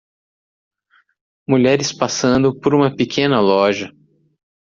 Mulheres passando por uma pequena loja.